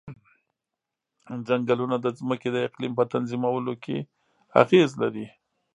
ځنګلونه د ځمکې د اقلیم په تنظیمولو کې اغیز لري.